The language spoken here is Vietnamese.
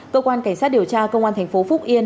cơ quan cảnh sát điều tra công an thành phố phúc yên